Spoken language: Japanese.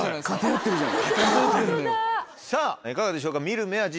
さぁいかがでしょうか？